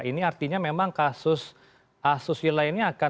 ini artinya memang kasus asuswila ini akan tetap dipertahankan sampai pencapaian